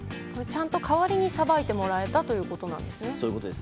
ちゃんと代わりに裁いてもらえたそういうことですね。